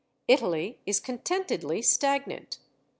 Italy is contentedly stagnant.